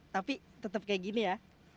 tapi tetap kayak gini ya